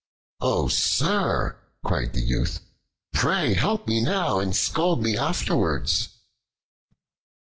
"Oh, sir!" cried the youth, "pray help me now and scold me afterwards."